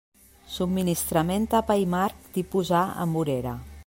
Subministrament tapa i marc Tipus A en vorera.